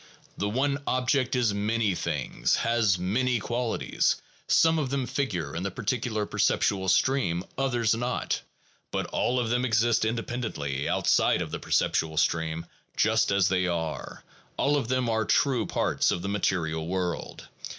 The one object is many things, has many qualities; some of them figure in the particular per ceptual stream, others not; but all of them exist independently, outside of the perceptual stream, just as they are; all of them are true parts of the material world.